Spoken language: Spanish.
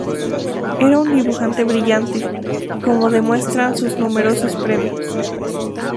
Era un dibujante brillante, como demuestran sus numerosos premios.